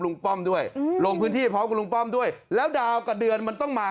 ป้อมด้วยลงพื้นที่พร้อมกับลุงป้อมด้วยแล้วดาวกับเดือนมันต้องมา